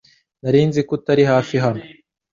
Nari nzi ko utari hafi hano .